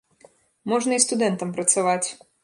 Можна і студэнтам працаваць.